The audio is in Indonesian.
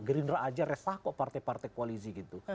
gerindra aja resah kok partai partai koalisi gitu